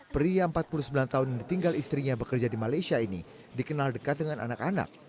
pria empat puluh sembilan tahun yang ditinggal istrinya bekerja di malaysia ini dikenal dekat dengan anak anak